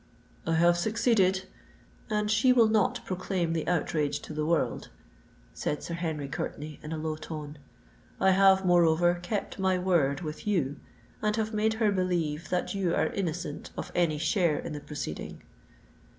"I have succeeded—and she will not proclaim the outrage to the world," said Sir Henry Courtenay, in a low tone. "I have, moreover, kept my word with you, and have made her believe that you are innocent of any share in the proceeding."